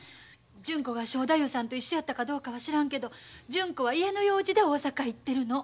純子が正太夫さんと一緒やったかどうかは知らんけど純子は家の用事で大阪へ行ってるの。